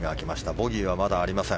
ボギーはまだありません。